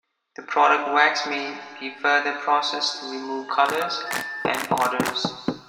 The product wax may be further processed to remove colors and odors.